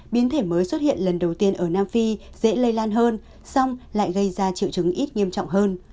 biến thể mới xuất hiện lần đầu tiên ở nam phi dễ lây lan hơn xong lại gây ra triệu chứng ít nghiêm trọng hơn